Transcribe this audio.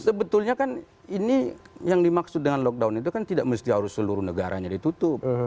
sebetulnya kan ini yang dimaksud dengan lockdown itu kan tidak mesti harus seluruh negaranya ditutup